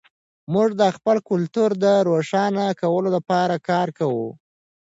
موږ د خپل کلتور د روښانه کولو لپاره کار کوو.